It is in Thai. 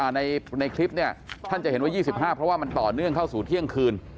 ในคลิปเนี่ยท่านจะเห็นว่า๒๕เพราะว่ามันต่อเนื่องเข้าสู่เที่ยงคืน